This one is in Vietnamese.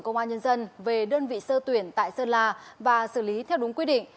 các trường đã truyền danh sách thí sinh về đơn vị sơ tuyển tại sơn la và xử lý theo đúng quy định